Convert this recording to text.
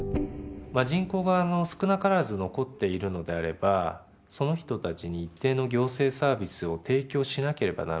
人口が少なからず残っているのであればその人たちに一定の行政サービスを提供しなければならない。